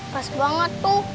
pas banget tuh